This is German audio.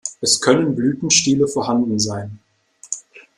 Es können Blütenstiele vorhanden sein.